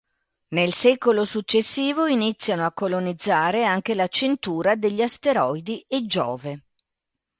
Nel secolo successivo iniziano a colonizzare anche la cintura degli asteroidi e Giove.